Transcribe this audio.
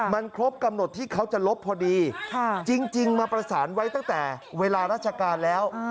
มันครบกำหนดที่เขาจะลบพอดีจริงมาประสานไว้ตั้งแต่เวลาราชการแล้ว